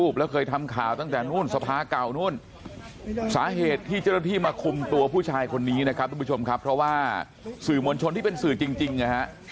เพราะว่าสื่อมวลชนที่เป็นสื่อจริงจริงนะฮะ